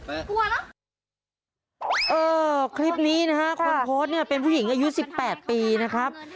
เออคลิปนี้นะฮะคนโพสต์เนี่ยเป็นผู้หญิงอายุสิบแปดปีนะครับ